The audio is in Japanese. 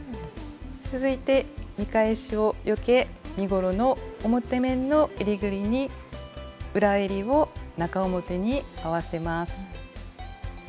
続いて見返しをよけ身ごろの表面のえりぐりに裏えりを中表に合わせます。